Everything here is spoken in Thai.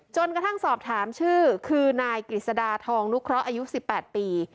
กระทั่งสอบถามชื่อคือนายกฤษดาทองนุเคราะห์อายุ๑๘ปี